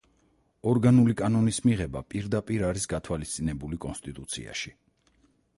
ორგანული კანონის მიღება პირდაპირ არის გათვალისწინებული კონსტიტუციაში.